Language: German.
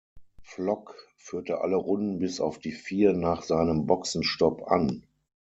Flock führte alle Runden bis auf die vier nach seinem Boxenstopp an.